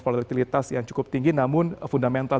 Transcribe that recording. volatilitas yang cukup tinggi namun fundamental